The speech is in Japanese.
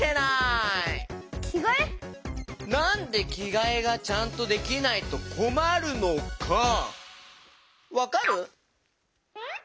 なんできがえがちゃんとできないとこまるのかわかる？